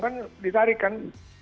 kan ditarik kan